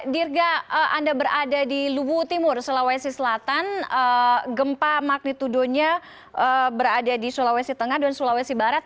dirga anda berada di luwu timur sulawesi selatan gempa magnitudonya berada di sulawesi tengah dan sulawesi barat